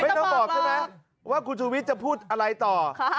ต้องบอกใช่ไหมว่าคุณชูวิทย์จะพูดอะไรต่อ